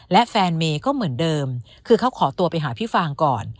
และแฟนเมย์ก็เหมือนเดิมคือเขาขอตัวไปหาพี่ฟางก่อน